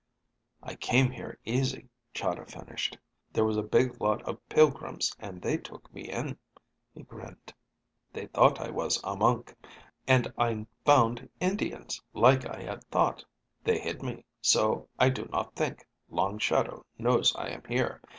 "I came here easy," Chahda finished. "There was a big lot of pilgrims and they took me in." He grinned. "They thought I was a monk. And I found Indians, like I had thought. They hid me, so I do not think Long Shadow knows I am here.